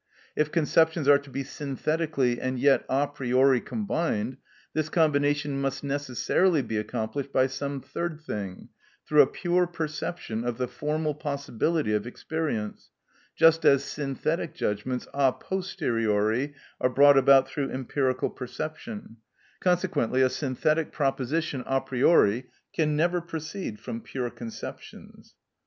If conceptions are to be synthetically and yet a priori combined, this combination must necessarily be accomplished by some third thing, through a pure perception of the formal possibility of experience, just as synthetic judgments a posteriori are brought about through empirical perception; consequently a synthetic proposition a priori can never proceed from pure conceptions.